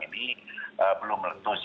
jadi belum meletus